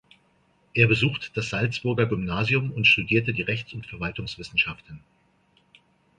Er besucht das Salzburger Gymnasium und studierte die Rechts- und Verwaltungswissenschaften.